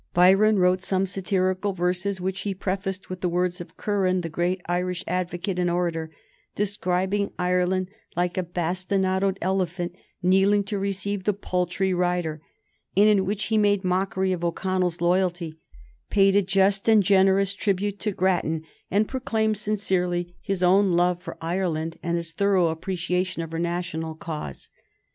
Byron wrote some satirical verses, which he prefaced with the words of Curran, the great Irish advocate and orator, describing Ireland like "a bastinadoed elephant kneeling to receive the paltry rider," and in which he made mockery of O'Connell's loyalty, paid a just and generous tribute to Grattan, and proclaimed sincerely his own love for Ireland and his thorough appreciation of her national cause.